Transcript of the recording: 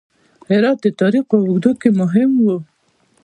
هرات د تاریخ په اوږدو کې مهم و